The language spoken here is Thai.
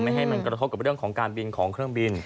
ให้มันกระทบกับเรื่องของการบินของเครื่องบิน